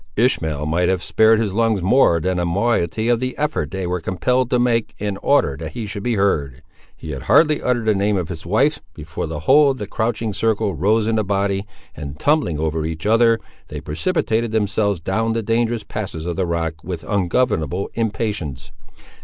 Ishmael might have spared his lungs more than a moiety of the effort they were compelled to make in order that he should be heard. He had hardly uttered the name of his wife, before the whole of the crouching circle rose in a body, and tumbling over each other, they precipitated themselves down the dangerous passes of the rock with ungovernable impatience.